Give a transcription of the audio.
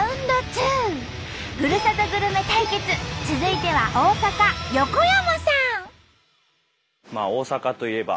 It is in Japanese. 続いては大阪横山さん。